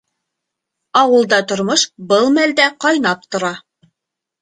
Ауылда тормош был мәлдә ҡайнап тора.